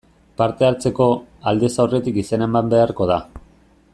Parte hartzeko, aldez aurretik izena eman beharko da.